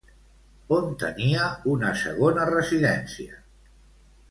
On tenia una segona residència?